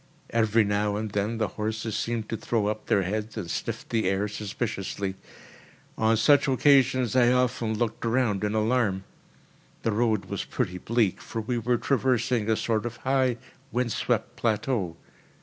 Every now and then the horses seemed to throw up their heads and sniffed the air suspiciously. On such occasions I often looked round in alarm. The road was pretty bleak, for we were traversing a sort of high, wind swept plateau.